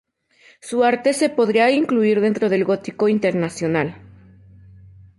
Su arte se podría incluir dentro del gótico internacional.